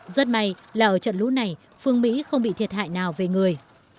rất may là ở trận lũ này phương mỹ không bị thiệt hại nào về người